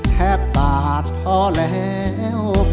แทบตาดพอแล้ว